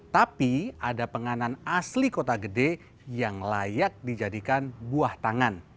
tapi ada penganan asli kota gede yang layak dijadikan buah tangan